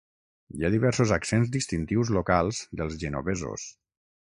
Hi ha diversos accents distintius locals dels genovesos.